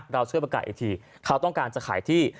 เราช่วยประกาศอีกทีเขาต้องการจะขายที่